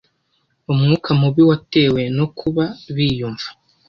umwuka mubi watewe no kuba biyumva